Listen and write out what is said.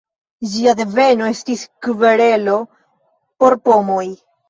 Ĝia deveno estis kverelo por pomoj.